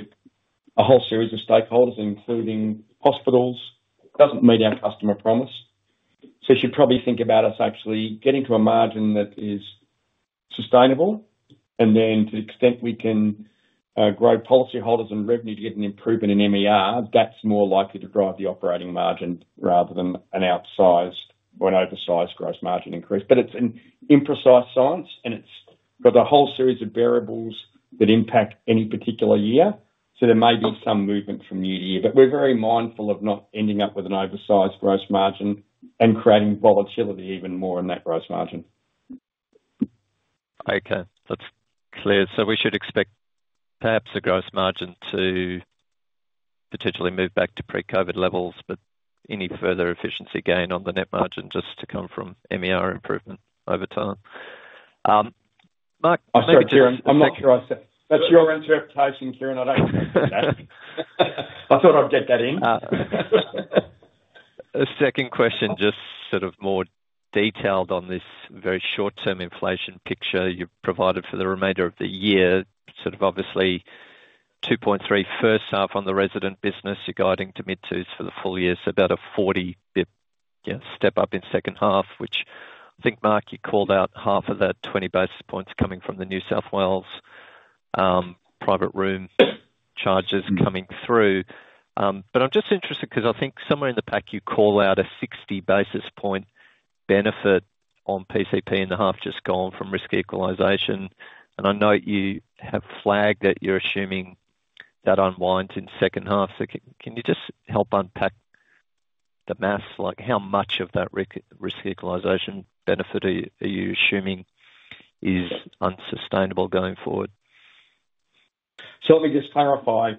a whole series of stakeholders, including hospitals. It doesn't meet our customer promise. So you should probably think about us actually getting to a margin that is sustainable. And then to the extent we can grow policy holders and revenue to get an improvement in MER, that's more likely to drive the operating margin rather than an outsized or an oversized gross margin increase. But it's an imprecise science, and it's got a whole series of variables that impact any particular year. So there may be some movement from year to year. But we're very mindful of not ending up with an oversized gross margin and creating volatility even more in that gross margin. Okay, that's clear. So we should expect perhaps a gross margin to potentially move back to pre-COVID levels, but any further efficiency gain on the net margin just to come from MER improvement over time. Mark, maybe just to make sure I said that's your interpretation, Kieran. I don't think that's that. I thought I'd get that in. A second question, just sort of more detailed on this very short-term inflation picture you've provided for the remainder of the year. Sort of obviously, 2.3% first half on the resident business, you're guiding to mid-2s% for the full year. So about a 40 basis point step up in second half, which I think, Mark, you called out half of that 20 basis points coming from the New South Wales private room charges coming through. But I'm just interested because I think somewhere in the pack you call out a 60 basis point benefit on PCP in the half just gone from risk equalization. And I note you have flagged that you're assuming that unwind in second half. So can you just help unpack the math? Like how much of that risk equalization benefit are you assuming is unsustainable going forward? So let me just clarify.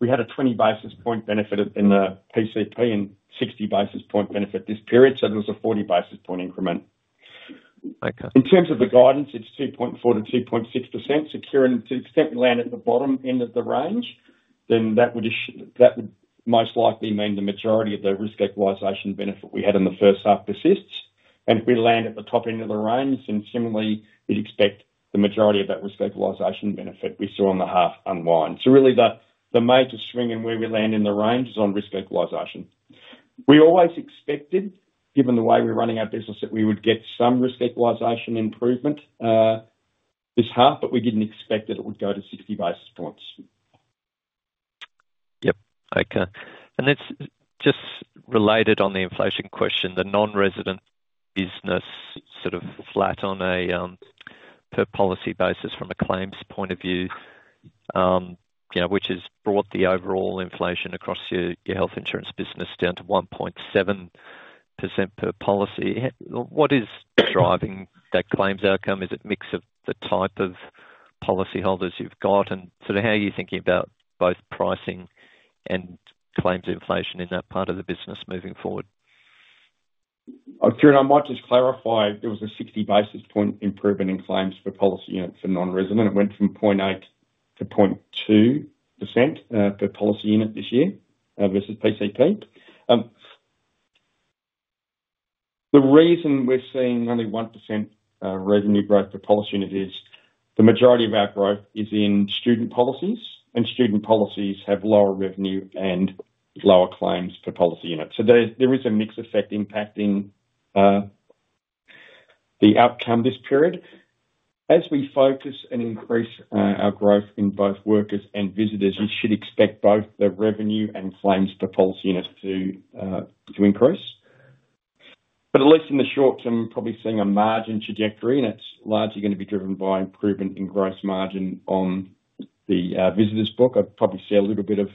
We had a 20 basis point benefit in the PCP and 60 basis point benefit this period. So there was a 40 basis point increment. In terms of the guidance, it's 2.4%-2.6%. So Kieren, to the extent we land at the bottom end of the range, then that would most likely mean the majority of the risk equalization benefit we had in the first half persists. And if we land at the top end of the range, then similarly, you'd expect the majority of that risk equalization benefit we saw on the half unwind. So really, the major swing in where we land in the range is on risk equalization. We always expected, given the way we're running our business, that we would get some risk equalization improvement this half, but we didn't expect that it would go to 60 basis points. Yep, okay. And it's just related to the inflation question. The non-resident business sort of flat on a per policy basis from a claims point of view, which has brought the overall inflation across your health insurance business down to 1.7% per policy. What is driving that claims outcome? Is it a mix of the type of policy holders you've got? And sort of how are you thinking about both pricing and claims inflation in that part of the business moving forward? Kieren, I might just clarify. There was a 60 basis point improvement in claims for policy units for non-resident. It went from 0.8% to 0.2% per policy unit this year versus PCP. The reason we're seeing only 1% revenue growth per policy unit is the majority of our growth is in student policies, and student policies have lower revenue and lower claims per policy unit. So there is a mixed effect impacting the outcome this period. As we focus and increase our growth in both workers and visitors, you should expect both the revenue and claims per policy units to increase. But at least in the short term, probably seeing a margin trajectory, and it's largely going to be driven by improvement in gross margin on the visitors' book. I'd probably see a little bit of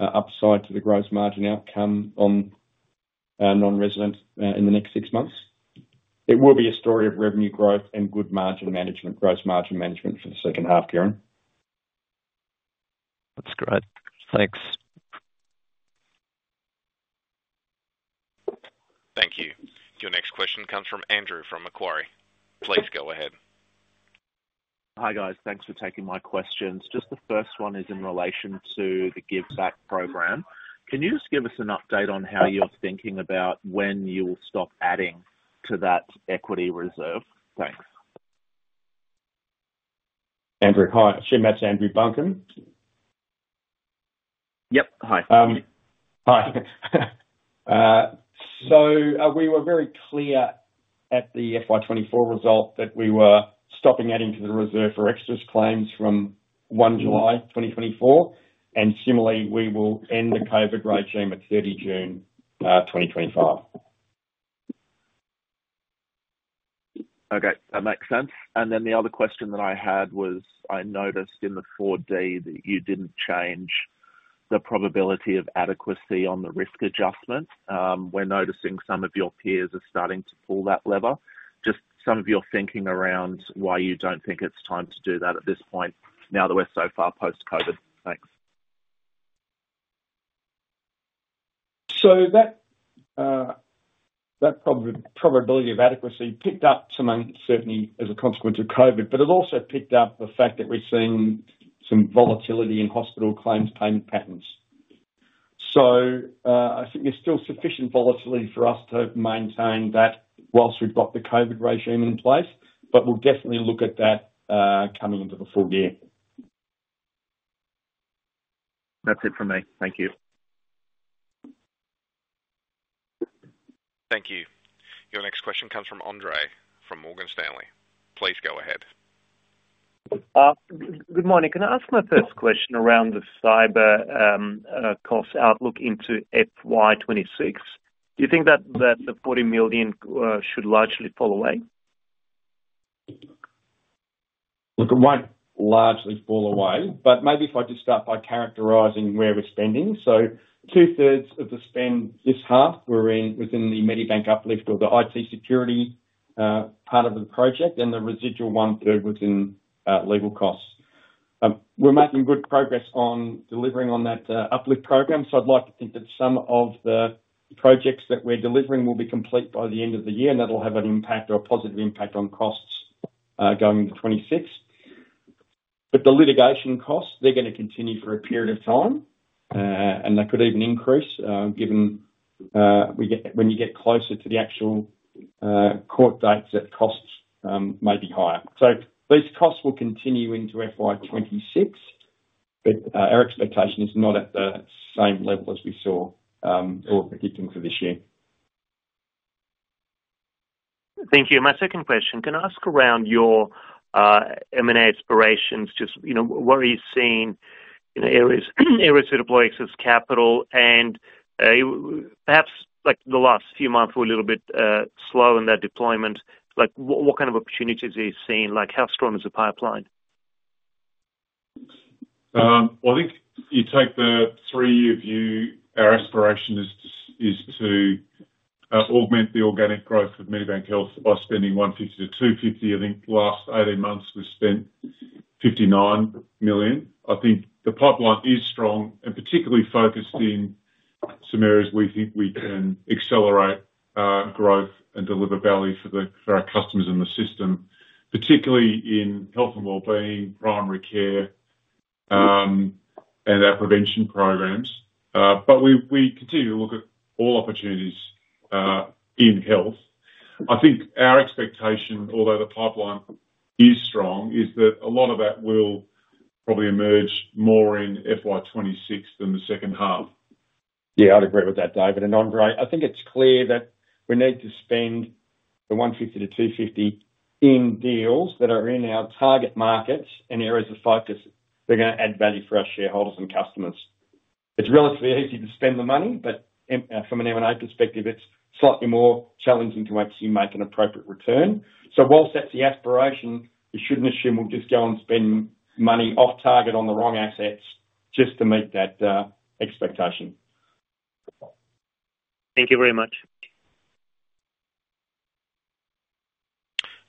upside to the gross margin outcome on non-resident in the next six months. It will be a story of revenue growth and good margin management, gross margin management for the second half, Kieren. That's great. Thanks. Thank you. Your next question comes from Andrew from Macquarie. Please go ahead. Hi guys. Thanks for taking my questions. Just the first one is in relation to the Give-Back program. Can you just give us an update on how you're thinking about when you will stop adding to that equity reserve? Thanks. Andrew, hi. Should I match Andrew Buncombe? Yep, hi. Hi. So we were very clear at the FY24 result that we were stopping adding to the reserve for excess claims from 1 July 2024. And similarly, we will end the COVID regime at 30 June 2025. Okay, that makes sense. And then the other question that I had was I noticed in the FY24 that you didn't change the probability of adequacy on the risk adjustment. We're noticing some of your peers are starting to pull that lever. Just some of your thinking around why you don't think it's time to do that at this point now that we're so far post-COVID. Thanks. So that probability of adequacy picked up some uncertainty as a consequence of COVID, but it also picked up the fact that we're seeing some volatility in hospital claims payment patterns. So I think there's still sufficient volatility for us to maintain that whilst we've got the COVID regime in place, but we'll definitely look at that coming into the full year. That's it for me. Thank you. Thank you. Your next question comes from Andre from Morgan Stanley. Please go ahead. Good morning. Can I ask my first question around the cyber cost outlook into FY 2026? Do you think that the 40 million should largely fall away? Look, it won't largely fall away, but maybe if I just start by characterizing where we're spending. So two-thirds of the spend this half was in the Medibank Uplift or the IT security part of the project, and the residual one-third was in legal costs. We're making good progress on delivering on that Uplift program. So I'd like to think that some of the projects that we're delivering will be complete by the end of the year, and that'll have an impact or a positive impact on costs going into 2026. But the litigation costs, they're going to continue for a period of time, and they could even increase given when you get closer to the actual court dates that costs may be higher. So these costs will continue into FY26, but our expectation is not at the same level as we saw or predicting for this year. Thank you. My second question, can I ask around your M&A aspirations? Just where are you seeing areas to deploy excess capital? And perhaps the last few months were a little bit slow in that deployment. What kind of opportunities are you seeing? How strong is the pipeline? Well, I think you take the three-year view, our aspiration is to augment the organic growth of Medibank Health by spending 150 million-250 million. I think last 18 months, we spent 59 million. I think the pipeline is strong and particularly focused in some areas we think we can accelerate growth and deliver value for our customers and the system, particularly in health and well-being, primary care, and our prevention programs. But we continue to look at all opportunities in health. I think our expectation, although the pipeline is strong, is that a lot of that will probably emerge more in FY26 than the second half. Yeah, I'd agree with that, David. And Andre, I think it's clear that we need to spend the 150 million-250 million in deals that are in our target markets and areas of focus. They're going to add value for our shareholders and customers. It's relatively easy to spend the money, but from an M&A perspective, it's slightly more challenging to actually make an appropriate return. So while that's the aspiration, you shouldn't assume we'll just go and spend money off target on the wrong assets just to meet that expectation. Thank you very much.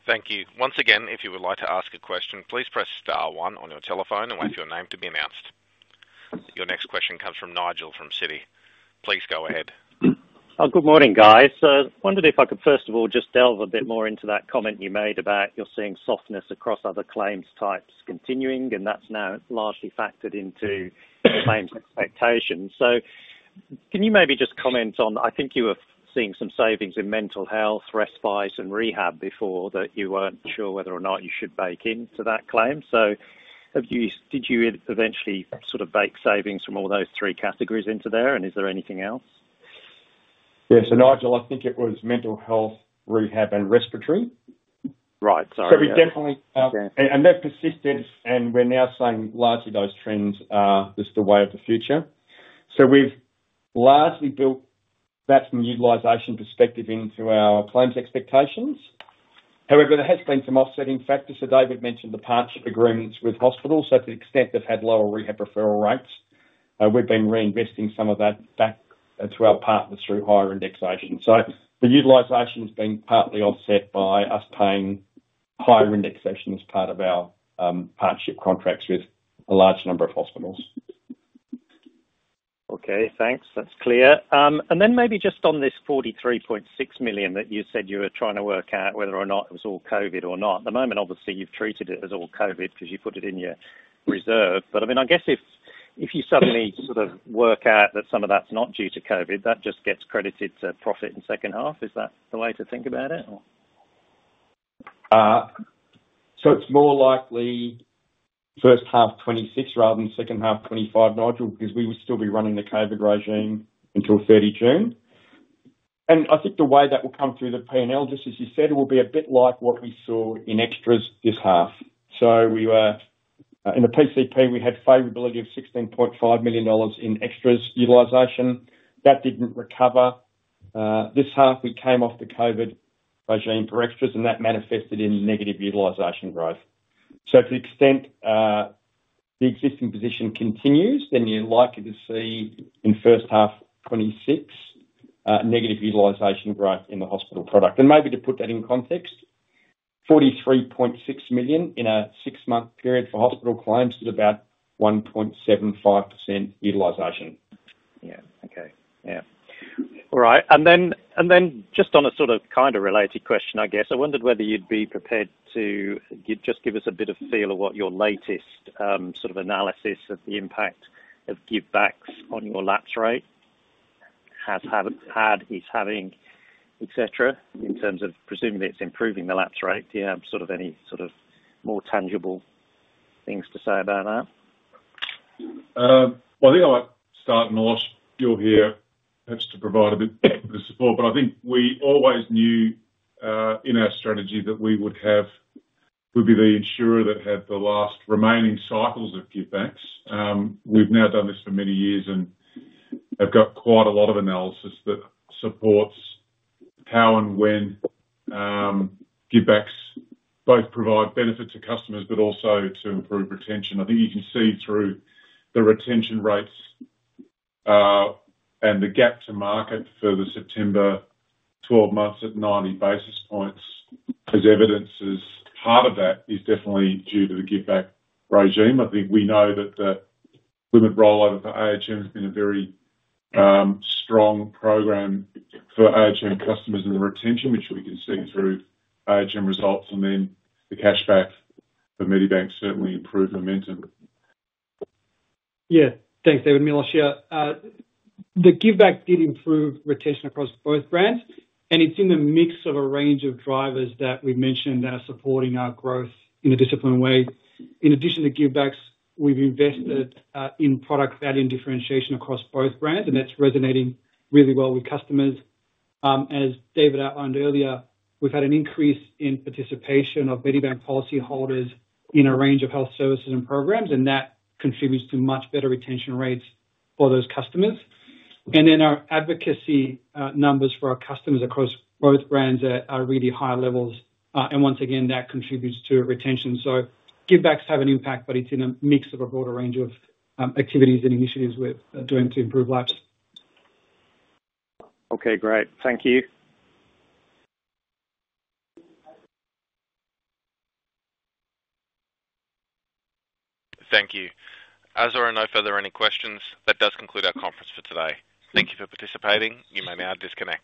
Thank you. Once again, if you would like to ask a question, please press star one on your telephone and wait for your name to be announced. Your next question comes from Nigel from Citi. Please go ahead. Good morning, guys. I wondered if I could, first of all, just delve a bit more into that comment you made about you're seeing softness across other claims types continuing, and that's now largely factored into claims expectations. So can you maybe just comment on I think you were seeing some savings in mental health, respite, and rehab before that you weren't sure whether or not you should bake into that claim. So did you eventually sort of bake savings from all those three categories into there? And is there anything else? Yes. And Nigel, I think it was mental health, rehab, and respiratory. Right. Sorry. So we definitely and they've persisted, and we're now seeing largely those trends as the way of the future. So we've largely built that from a utilization perspective into our claims expectations. However, there has been some offsetting factors. So David mentioned the partnership agreements with hospitals. So to the extent they've had lower rehab referral rates, we've been reinvesting some of that back to our partners through higher indexation. So the utilization has been partly offset by us paying higher indexation as part of our partnership contracts with a large number of hospitals. Okay. Thanks. That's clear. And then maybe just on this 43.6 million that you said you were trying to work out whether or not it was all COVID or not. At the moment, obviously, you've treated it as all COVID because you put it in your reserve. But I mean, I guess if you suddenly sort of work out that some of that's not due to COVID, that just gets credited to profit in second half. Is that the way to think about it? So it's more likely first half 2026 rather than second half 2025, Nigel, because we would still be running the COVID regime until 30 June. And I think the way that will come through the P&L, just as you said, will be a bit like what we saw in extras this half. So in the PCP, we had favorability of 16.5 million dollars in extras utilization. That didn't recover. This half, we came off the COVID regime for extras, and that manifested in negative utilization growth. So to the extent the existing position continues, then you're likely to see in first half 2026 negative utilization growth in the hospital product. And maybe to put that in context, 43.6 million in a six-month period for hospital claims is about 1.75% utilization. Yeah. Okay. Yeah. All right. And then just on a sort of kind of related question, I guess. I wondered whether you'd be prepared to just give us a bit of feel of what your latest sort of analysis of the impact of give-backs on your lapse rate has had, is having, etc., in terms of presumably it's improving the lapse rate. Do you have sort of any sort of more tangible things to say about that? Well, I think I might start, Milosh. You'll hear perhaps to provide a bit of support. But I think we always knew in our strategy that we would be the insurer that had the last remaining cycles of Give-Backs. We've now done this for many years, and I've got quite a lot of analysis that supports how and when Give-Backs both provide benefit to customers but also to improve retention. I think you can see through the retention rates and the gap to market for the September 12 months at 90 basis points as evidence a part of that is definitely due to the Give-Back regime. I think we know that the Live Better rollout for AHM has been a very strong program for AHM customers and the retention, which we can see through AHM results, and then the cashback for Medibank certainly improved momentum. Yeah. Thanks, David. Milosh, the give-back did improve retention across both brands, and it's in the mix of a range of drivers that we mentioned that are supporting our growth in a disciplined way. In addition to Give-Backs, we've invested in product value and differentiation across both brands, and that's resonating really well with customers. And as David outlined earlier, we've had an increase in participation of Medibank policyholders in a range of health services and programs, and that contributes to much better retention rates for those customers. And then our advocacy numbers for our customers across both brands are really high levels, and once again, that contributes to retention. So Give-Backs have an impact, but it's in a mix of a broader range of activities and initiatives we're doing to improve lapses. Okay. Great. Thank you. Thank you. As there are no further questions, that does conclude our conference for today. Thank you for participating. You may now disconnect.